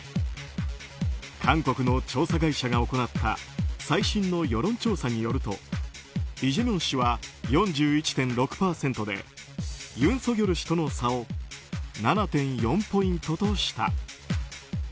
韓国の調査会社が行った最新の世論調査によるとイ・ジェミョン氏は４１．６％でユン・ソギョル氏との差を７．４ポイントとした。